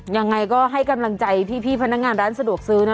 ยังไงก็ให้กำลังใจพี่พนักงานร้านสะดวกซื้อนะ